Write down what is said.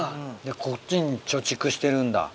こっちに貯蓄してるんだ。